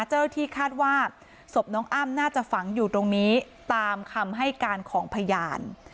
เจ้าหน้าที่คาดว่าศพน้องอ้ำน่าจะฝังอยู่ตรงนี้ตามคำให้การของพยาน